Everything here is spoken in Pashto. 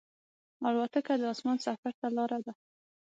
الوتکه د اسمان سفر ته لاره ده.